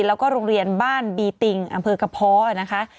แล้วก็โรงเรียนบ้านบีติงอำเภอกระเพาะนะคะ